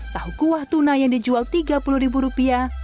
tahu kuah tuna yang dijual rp tiga puluh